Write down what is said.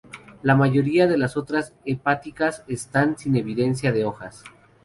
La mayoría de las otras hepáticas están sin evidencia de hojas.